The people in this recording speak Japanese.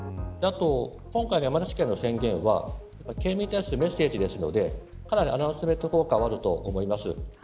今回の山梨県の宣言は県民に対するメッセージなのでかなりアナウンスメント効果はあると思います。